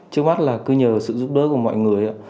trước mắt là cứ nhờ sự giúp đỡ của mọi người